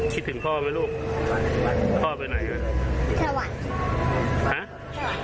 คิดถึงพ่อไหมลูกพ่อไปไหนสวัสดิ์